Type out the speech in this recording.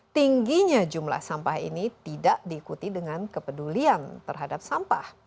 tingginya jumlah sampah ini tidak diikuti dengan kepedulian terhadap sampah